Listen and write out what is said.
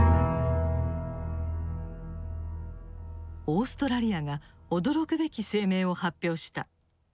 オーストラリアが驚くべき声明を発表した。